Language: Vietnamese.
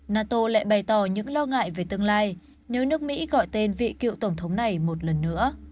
nato lại bày tỏ những lo ngại về tương lai nếu nước mỹ gọi tên vị cựu tổng thống này một lần nữa